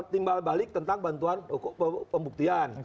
timbal balik tentang bantuan pembuktian